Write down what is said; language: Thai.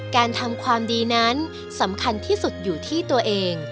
การทำความดีนั้นสำคัญที่สุดอยู่ที่ตัวเอง